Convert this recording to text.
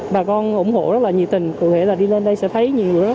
bà con ủng hộ rất là nhiệt tình cụ thể là đi lên đây sẽ thấy rất là nhiều đồ ăn uống